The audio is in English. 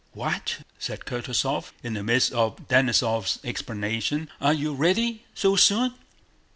"What?" said Kutúzov, in the midst of Denísov's explanations, "are you ready so soon?"